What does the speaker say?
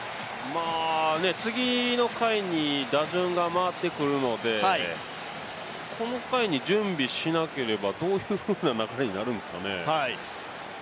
次の回に打順が回って来るのでこの回に準備しなければどういうふうな流れになるんですかね。